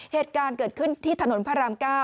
เหตุการณ์เกิดขึ้นที่ถนนพระราม๙